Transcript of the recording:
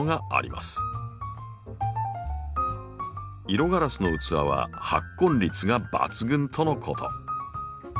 色ガラスの器は発根率が抜群とのこと。